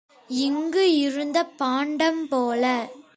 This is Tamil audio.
இங்கு இருந்த பாண்டம் போல.